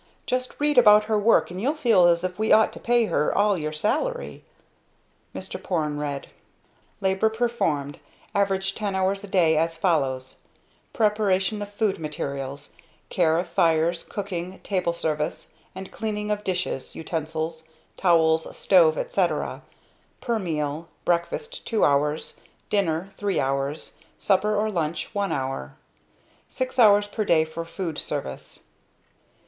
Just read about her work, and you'll feel as if we ought to pay her all your salary." Mr. Porne read: "Labor performed, average ten hours a day, as follows: Preparation of food materials, care of fires, cooking, table service, and cleaning of dishes, utensils, towels, stove, etc., per meal breakfast two hours, dinner three hours, supper or lunch one hour six hours per day for food service.